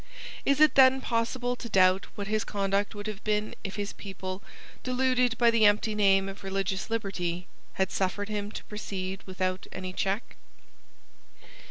Is it then possible to doubt what his conduct would have been if his people, deluded by the empty name of religious liberty, had suffered him to proceed without any check?